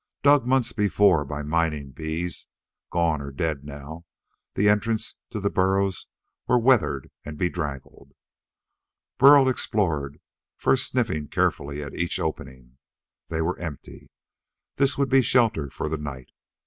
Dug months before by mining bees, gone or dead now, the entrances to the burrows were weathered and bedraggled. Burl explored, first sniffing carefully at each opening. They were empty. This would be shelter for the night.